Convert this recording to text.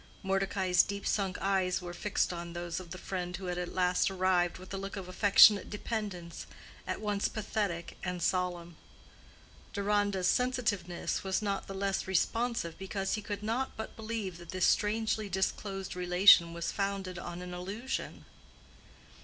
Mordecai's deep sunk eyes were fixed on those of the friend who had at last arrived with a look of affectionate dependence, at once pathetic and solemn. Deronda's sensitiveness was not the less responsive because he could not but believe that this strangely disclosed relation was founded on an illusion.